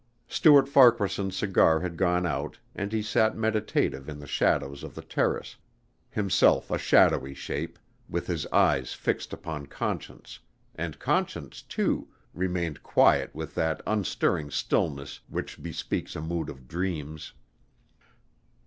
Stuart Farquaharson's cigar had gone out and he sat meditative in the shadows of the terrace himself a shadowy shape, with his eyes fixed upon Conscience, and Conscience, too, remained quiet with that unstirring stillness which bespeaks a mood of dreams.